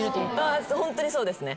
ホントにそうですね。